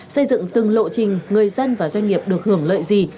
xây dựng từng lộ trình người dân và doanh nghiệp được hưởng lợi gì